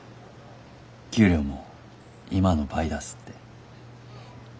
給料も今の倍出すて。